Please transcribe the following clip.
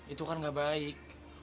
itu kan gak baik